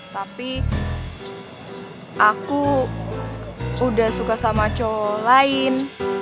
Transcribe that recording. tapi aku udah suka sama co lain